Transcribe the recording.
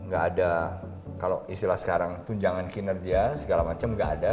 gak ada kalau istilah sekarang tunjangan kinerja segala macam gak ada